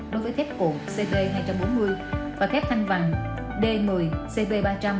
đối với thép cụ cd hai trăm bốn mươi và thép thanh vàng d một mươi cp ba trăm linh